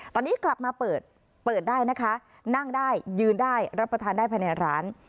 ตอนนี้กลับมาเปิดเปิดได้นะคะนั่งได้ยืนได้รับประทานได้ภายในร้าน